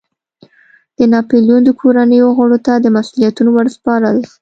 د ناپلیون د کورنیو غړو ته مسوولیتونو ور سپارل.